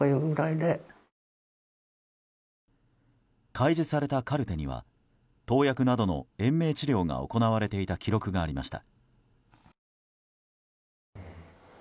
開示されたカルテには投薬などの延命治療が行われていた記録がありました。